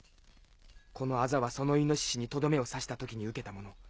このアザはその猪にとどめを刺した時に受けたもの。